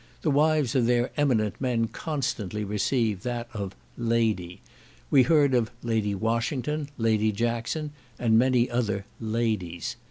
The wives of their eminent men constantly receive that of "Lady." We heard of Lady Washington, Lady Jackson, and many other "ladies."